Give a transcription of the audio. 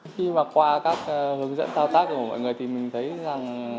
khi mà qua các hướng dẫn thao tác của mọi người thì mình thấy rằng